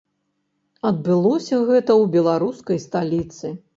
Адбылося гэта ў беларускай сталіцы.